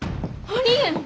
ありえん。